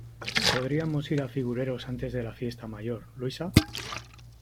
Podríamos ir a Figureros antes de la fiesta mayor, ¿Luisa?